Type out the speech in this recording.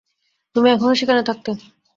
তুমি এখনও সেখানে থাকতে।